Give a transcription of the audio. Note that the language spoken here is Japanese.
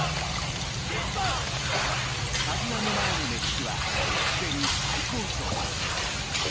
スタジアム前の熱気はすでに最高潮です。